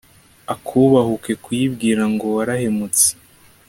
akubahuka kuyibwira ngo 'warahemutse'